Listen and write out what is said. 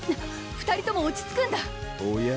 ２人とも落ち着くんだおや？